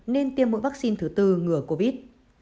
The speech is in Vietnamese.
nên tiêm mũi vaccine thứ bốn ngừa covid